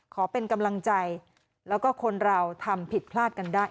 ขอเป็นกำลังใจแล้วก็คนเราทำผิดพลาดกันได้